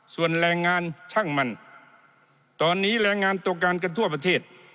ส่วนแรงงานช่างมันตอนนี้แรงงานตัวการกันทั่วประเทศ